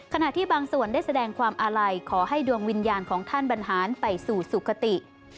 ขณะที่บางส่วนได้แสดงความอาลัยขอให้ดวงวิญญาณของท่านบรรหารไปสู่สุขติ